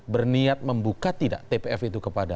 berniat membuka tidak tpf itu kepada